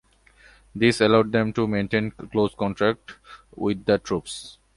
This allowed them to maintain close contact with the troops.